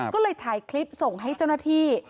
ก็เลยถ่ายคลิปส่งให้เจ้าหน้าที่